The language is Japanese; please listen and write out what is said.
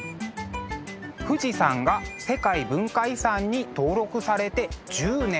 富士山が世界文化遺産に登録されて１０年。